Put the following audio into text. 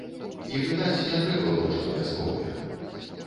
І пытаць не трэ было, што вясковыя.